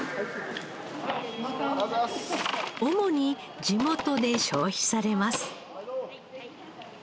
主に地元で消費されます。